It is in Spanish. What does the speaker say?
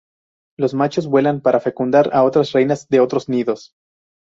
Los machos vuelan para fecundar a otras reinas de otros nidos.